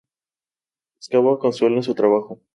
Buscaba consuelo en su trabajo.